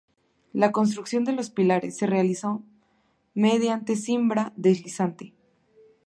La construcción de los pilares se realizó mediante cimbra deslizante.